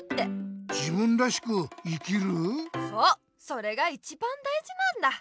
それがいちばんだいじなんだ。